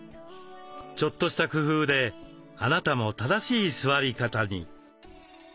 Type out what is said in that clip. ちょっとした工夫であなたも正しい座り方に。